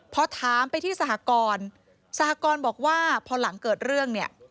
พอถามไปที่สหกรสหกรบอกว่าพอหลังเกิดเรื่องเนี่ย